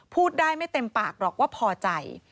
พูดได้ไม่เต็มปากหรอกว่าพอใจ